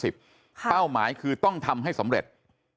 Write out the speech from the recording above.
เป้าหมายคือต้องทำให้สำเร็จ